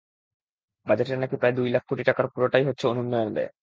বাজেটের বাকি প্রায় দুই লাখ কোটি টাকার পুরোটাই হচ্ছে অনুন্নয়ন ব্যয়।